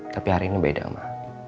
tapi hari ini beda mah